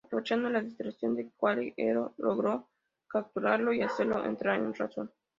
Aprovechando la distracción de Quatre, Heero logró capturarlo y hacerlo entrar en razón.